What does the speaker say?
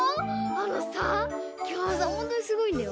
あのさきょうさほんとにすごいんだよ。